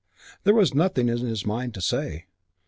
There was nothing in his mind to say.